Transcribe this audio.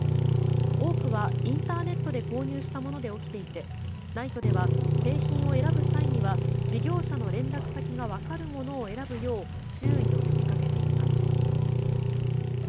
多くはインターネットで購入したもので起きていてＮＩＴＥでは製品を選ぶ際には事業者の連絡先が分かるものを選ぶよう注意を呼びかけています。